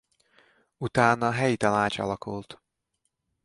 Utána helyi tanács alakult.